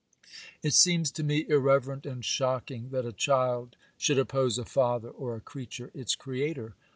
'It seems to me irreverent and shocking that a child should oppose a father, or a creature its Creator.